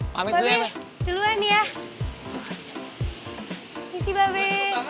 pamit dulu ya be